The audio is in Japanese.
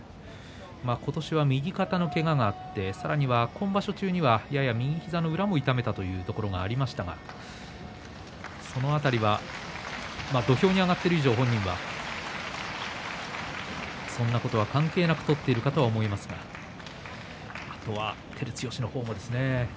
今年は右肩のけががあってさらには今場所中はやや右膝の裏も痛めたというところがありましたがその辺りは土俵に上がっている以上本人はそんなことは関係なく取っているかとは思いますがあとは照強の方がですね。